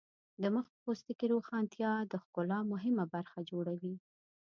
د مخ د پوستکي روښانتیا د ښکلا مهمه برخه جوړوي.